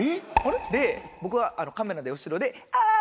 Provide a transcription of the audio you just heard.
で僕はカメラで後ろで。